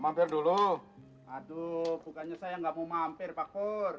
aduh bukannya saya nggak mau mampir pakur